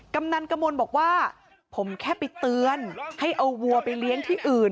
กำนันกระมวลบอกว่าผมแค่ไปเตือนให้เอาวัวไปเลี้ยงที่อื่น